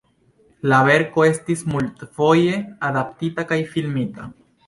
La verko estis multfoje adaptita kaj filmita.